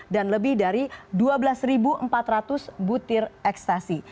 lebih dari dua belas empat ratus butir ekstasi